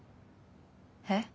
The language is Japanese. えっ？